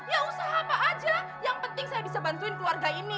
ya usaha apa aja yang penting saya bisa bantuin keluarga ini